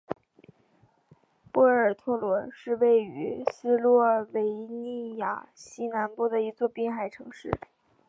波尔托罗是位于斯洛维尼亚西南部的一座滨海城市。